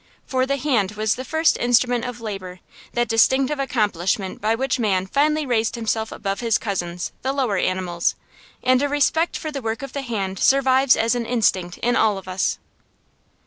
For the hand was the first instrument of labor, that distinctive accomplishment by which man finally raised himself above his cousins, the lower animals; and a respect for the work of the hand survives as an instinct in all of us.